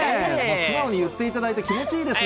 素直に言っていただいて、気持ちいいです。